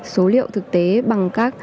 số liệu thực tế bằng các